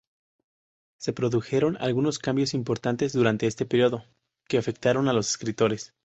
Se produjeron algunos cambios importantes durante este periodo que afectaron a los escritores.